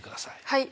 はい。